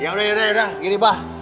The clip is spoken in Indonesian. ya udah ya udah gini bang